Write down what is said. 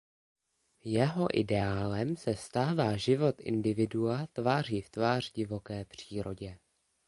Jeho ideálem se stává život individua tváří v tvář divoké přírodě.